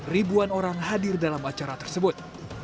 ribuan orang hadir dalam acara tersebut